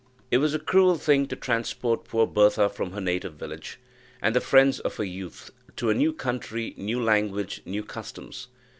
It was a cruel thing to transport poor Bertha from her native village, and the friends of her youth, to a new country, new language, new customs.